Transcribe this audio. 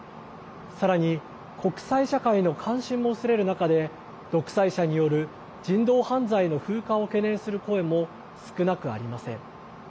さらに、国際社会の関心も薄れる中で、独裁者による人道犯罪の風化を懸念する声も少なくありません。